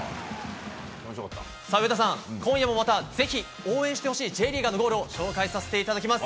上田さん、今夜もまたぜひ応援してほしいＪリーガーのゴールを紹介させていただきます。